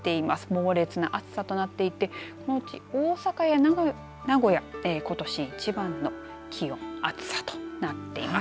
猛烈な暑さとなっていてこのうち大阪や名古屋ことし一番の気温暑さとなっています。